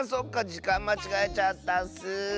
じかんまちがえちゃったッス。